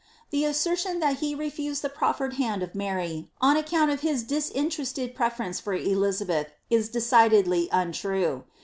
The ai^sertion that he refused the proffered hand of Mary, on account of his disinterested preference for Elizabeth, is decidedly untrue.